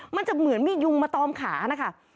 มันจะเหมือนมียุงมาตอมขานะคะ